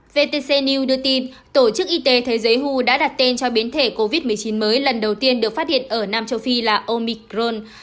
vtc new đưa tin tổ chức y tế thế giới hu đã đặt tên cho biến thể covid một mươi chín mới lần đầu tiên được phát hiện ở nam châu phi là omicron